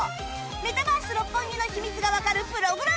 メタバース六本木の秘密がわかるプログラムも